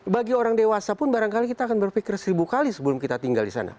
bagi orang dewasa pun barangkali kita akan berpikir seribu kali sebelum kita tinggal di sana